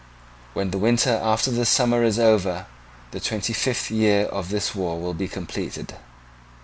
[When the winter after this summer is over the twenty first year of this war will be completed.